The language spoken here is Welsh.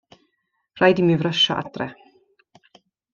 Rhaid i mi frysio adre.